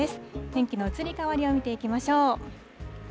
天気の移り変わりを見ていきましょう。